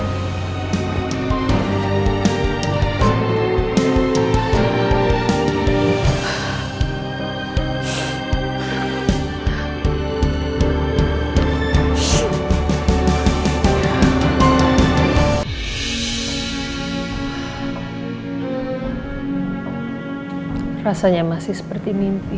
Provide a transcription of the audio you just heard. hai rasanya masih seperti mimpi